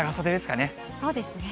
そうですね。